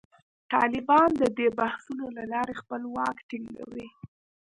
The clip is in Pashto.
طالبان د دې بحثونو له لارې خپل واک ټینګوي.